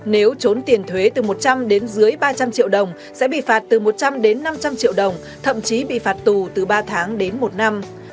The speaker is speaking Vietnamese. nếu trốn tiền thuế từ một trăm linh đến dưới ba trăm linh triệu đồng sẽ bị phạt từ một trăm linh đến năm trăm linh triệu đồng thậm chí bị phạt tù từ ba tháng đến một năm